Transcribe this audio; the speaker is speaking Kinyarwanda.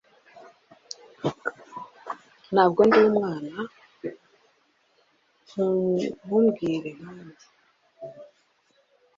Ntabwo ndi umwana. Ntumbwire nkanjye.